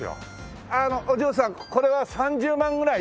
あのお嬢さんこれは３０万ぐらい？